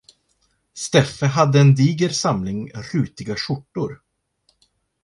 Steffe hade en diger samling rutiga skjortor.